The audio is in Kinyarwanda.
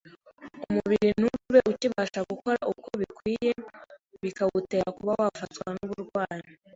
umubiri ntube ukibasha gukora uko bikwiriye, bikawutera kuba wafatwa n’uburwayi.